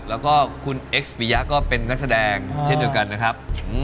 แล้วก็คุณเอ็กซ์ปียะก็เป็นนักแสดงเช่นเดียวกันนะครับ